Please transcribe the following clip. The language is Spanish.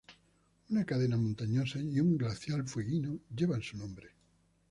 Una cadena montañosa y un glaciar fueguino llevan su nombre.